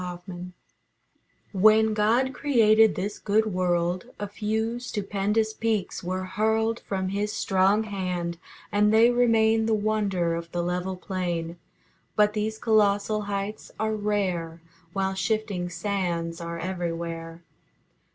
LINCOLN When God created this good world A few stupendous peaks were hurled From His strong hand, and they remain The wonder of the level plain. But these colossal heights are rare, While shifting sands are everywhere.